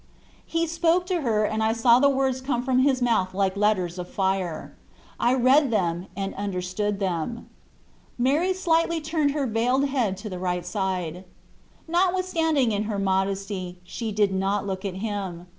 He spoke to her, and I saw the words come from his mouth like letters of fire. I read them and understood them. Mary slightly turned her veiled head to the right side. Notwithstanding, in her modesty she did not look at him.